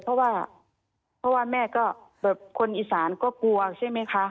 เพราะว่าแม่คนอีสานก็กลัวใช่ไหมคะ